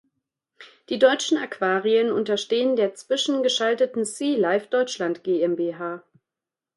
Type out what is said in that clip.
Die deutschen Aquarien unterstehen der zwischengeschalteten Sea Life Deutschland GmbH.